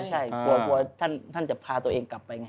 ใช่กลัวท่านจะพาตัวเองกลับไปไง